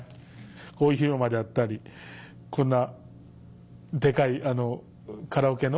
大広間であったりこんなでかいカラオケの。